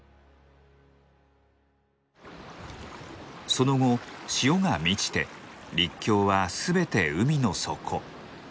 その後潮が満ちて陸橋は全て海の底。